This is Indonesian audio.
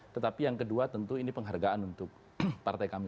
tetapi yang kedua tentu ini penghargaan untuk partai kami